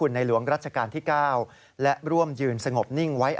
นายกรัฐมนตรี